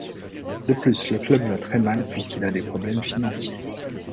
De plus le club va très mal puisqu'il a des problèmes financiers.